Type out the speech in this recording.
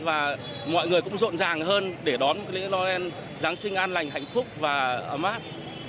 và mọi người cũng rộn ràng hơn để đón một lễ noel giáng sinh an lành hạnh phúc và ấm áp